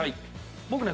僕ね